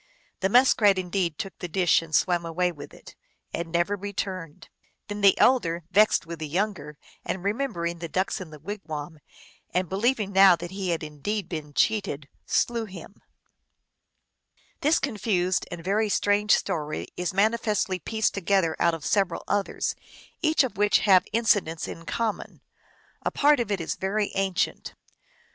The Muskrat indeed took the dish and swam away with it, and never returned. Then the elder, vexed with the younger, and re membering the ducks in the wigwam, and believing now that he had indeed been cheated, slew him. THE INDIAN BOY AND THE MUSK RAT. SEEPS, THE DUCK. THE MERRY TALES OF LOX. 193 This confused and strange story is manifestly pieced together out of several others, each of which have in cidents in common. A part of it is very ancient.